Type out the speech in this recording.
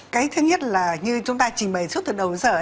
cái thứ nhất là như chúng ta trình bày suốt thời đầu sở